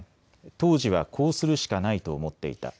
当時はこうするしかないと思っていた。